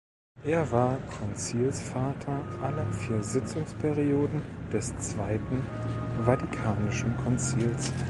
Er war Konzilsvater aller vier Sitzungsperioden des Zweiten Vatikanischen Konzils.